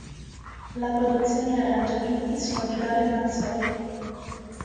La produzione e arrangiamenti sono di Dario Mazzoli